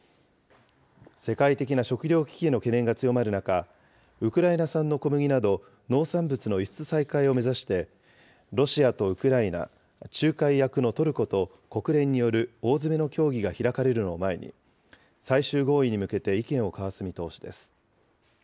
世界的な食料危機への懸念が強まる中、ウクライナ産の小麦など、農産物の輸出再開を目指して、ロシアとウクライナ、仲介役のトルコと国連による大詰めの協議が開かれるのを前に、最終合意に向けて意見を交わす見通しです。